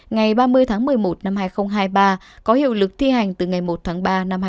ngày ba mươi tháng một mươi một năm hai nghìn hai mươi ba có hiệu lực thi hành từ ngày một tháng ba năm hai nghìn hai mươi bốn